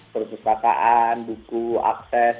perusahaan buku akses